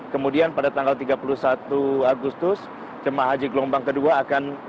kemudian pada tanggal tiga puluh satu agustus jemaah haji gelombang kedua akan